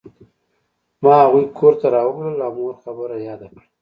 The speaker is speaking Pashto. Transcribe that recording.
ما هغوی کور ته راوبلل او مور خبره یاده کړه